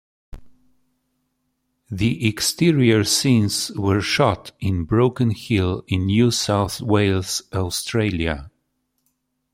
The exterior scenes were shot at Broken Hill in New South Wales, Australia.